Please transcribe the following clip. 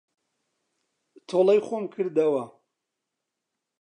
تۆڵەی خۆم کردەوە.